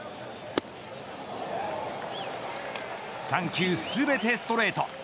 ３球すべてストレート。